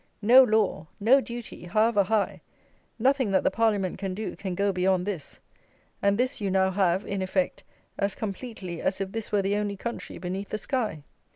No law, no duty, however high; nothing that the Parliament can do can go beyond this; and this you now have, in effect, as completely as if this were the only country beneath the sky.